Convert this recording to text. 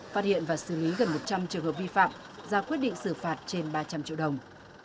phát hiện và xử lý gần một trăm linh trường hợp vi phạm ra quyết định xử phạt trên ba trăm linh triệu đồng